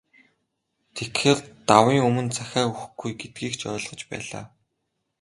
Тэгэхээр, давын өмнө захиа өгөхгүй гэдгийг ч ойлгож байлаа.